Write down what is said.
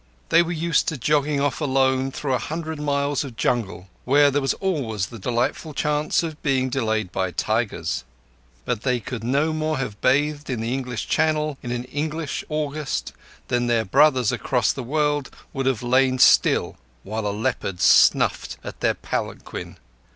They were used to jogging off alone through a hundred miles of jungle, where there was always the delightful chance of being delayed by tigers; but they would no more have bathed in the English Channel in an English August than their brothers across the world would have lain still while a leopard snuffed at their palanquin.